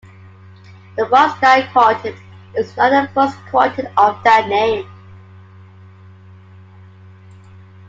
The Brodsky Quartet is not the first quartet of that name.